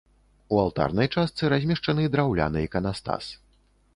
У алтарнай частцы размешчаны драўляны іканастас.